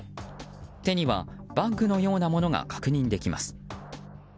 手にはバッグのようなものが確認できます。